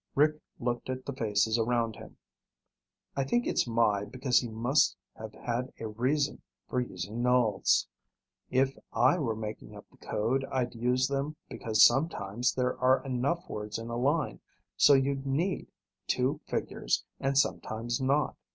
Rick looked at the faces around him. "I think it's 'my' because he must have had a reason for using nulls. If I were making up the code, I'd use them because sometimes there are enough words in a line so you need two figures and sometimes not.